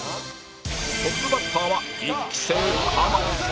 トップバッターは１期生狩野